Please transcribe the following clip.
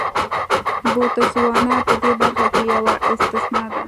بوتسوانا په دې برخه کې یوه استثنا ده.